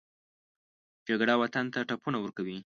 جګړه وطن ته ټپونه ورکوي